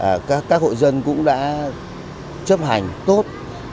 đã phối hợp chặt chẽ và các hộ dân cũng đã chấp hành tốt